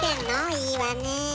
いいわねえ。